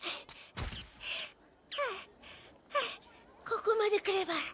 ここまで来れば。